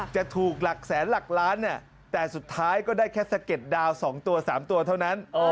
จะถูกหลักแสนหลักล้านแต่สุดท้ายก็ได้แค่สะเด็ดดาว๒ตัว๓ตัวเท่านั้น